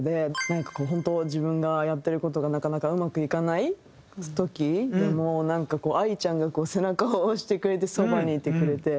なんか本当自分がやってる事がなかなかうまくいかない時でもなんかこうＡＩちゃんが背中を押してくれてそばにいてくれて。